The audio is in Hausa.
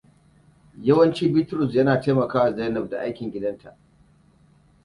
Yawanci Bitrus yakan taimaka ma Zainab da aikin gidan ta.